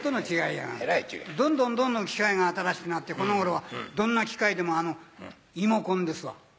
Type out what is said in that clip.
どんどんどんどん機械が新しくなってこの頃はどんな機械でもイモコンですわ。